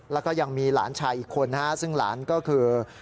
แล้วก็ยังมีหลานชายอีกคนนะฮะซึ่งหลานก็คือ